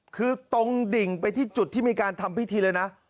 คือตรงดิ่งไปที่จุดที่มีการทำพิธีเลยนะ